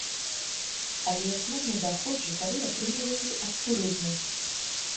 Але асноўны даход жыхары атрымліваюць ад турызму.